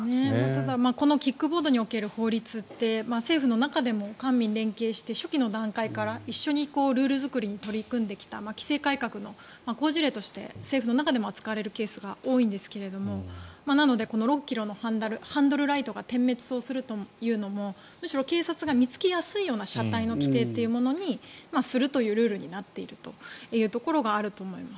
ただ、このキックボードに関する法律って政府の中でも官民連携して初期の段階から一緒にルール作りに取り組んできた規制改革の好事例として政府の中でも扱われるケースが多いんですがなので、この６ｋｍのハンドルライトが点滅をするというのもむしろ警察が見つけやすいような車体の規定というものにするというルールになっているというところがあると思います。